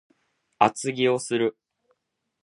厚着をする